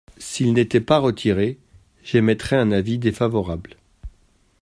S’ils n’étaient pas retirés, j’émettrais un avis défavorable.